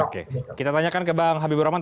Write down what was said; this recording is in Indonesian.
oke kita tanyakan ke bang habibur rahman